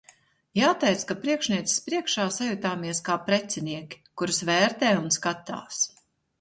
Jāteic, ka priekšnieces priekšā sajutāmies kā precinieki, kurus vērtē un skatās.